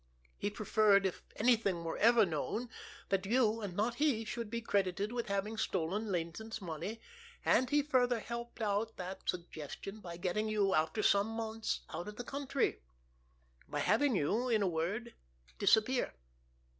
He preferred, if anything were ever known, that you, and not he, should be credited with having stolen Laynton's money, and he further helped out that suggestion by getting you, after some months, out of the country, by having you, in a word, disappear.